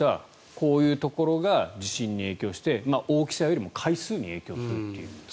こういうところが地震に影響して大きさよりも回数に影響すると。